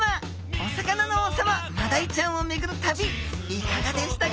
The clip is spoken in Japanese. お魚の王様マダイちゃんをめぐる旅いかがでしたか？